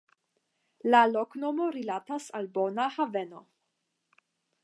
La loknomo rilatas al "bona haveno".